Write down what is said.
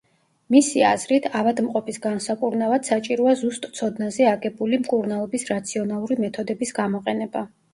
მისი აზრით, ავადმყოფის განსაკურნავად საჭიროა, ზუსტ ცოდნაზე აგებული მკურნალობის რაციონალური მეთოდების გამოყენება.